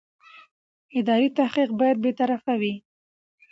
اداري تحقیق باید بېطرفه وي.